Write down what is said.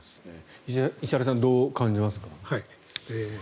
石原さんどう感じますか？